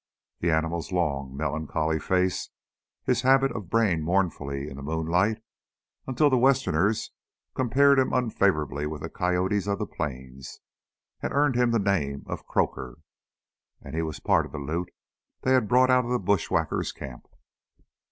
The animal's long, melancholy face, his habit of braying mournfully in the moonlight until Westerners compared him unfavorably with the coyotes of the Plains had earned him the name Croaker; and he was part of the loot they had brought out of the bushwhackers' camp.